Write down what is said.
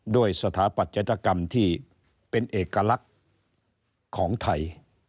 สถาปัตยกรรมที่เป็นเอกลักษณ์ของไทย